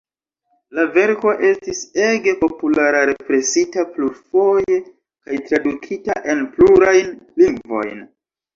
La verko estis ege populara--represita plurfoje kaj tradukita en plurajn lingvojn.